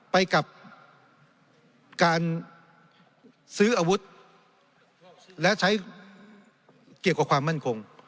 ไปกับการซื้ออาวุธและใช้เกี่ยวกับความมั่นคง